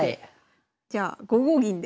じゃあ５五銀で。